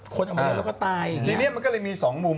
คนออกมาแล้วก็ตายอย่างเงี้ยทีเนี้ยมันก็เลยมีสองมุม